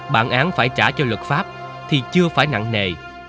bản án phải trả cho luật pháp thì chưa phải nặng nề